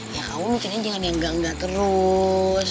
ya kamu mungkin jangan yang gak nggak terus